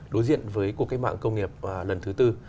đối diện với cuộc cách mạng công nghiệp lần thứ tư